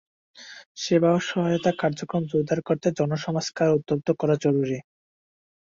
সেবা ও সহায়তা কার্যক্রম জোরদার করতে জনসমাজকে আরও উদ্বুদ্ধ করা জরুরি।